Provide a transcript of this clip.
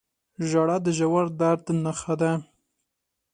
• ژړا د ژور درد نښه ده.